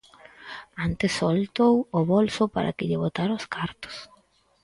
Antes soltou o bolso para que lle botara os cartos.